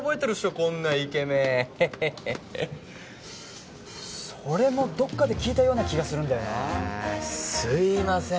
こんなイケメンへへへそれもどっかで聞いたような気がするんだよなすいません